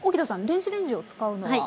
電子レンジを使うのは？